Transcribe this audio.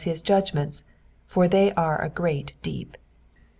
19 as hi3 judgments, for they are a great deep.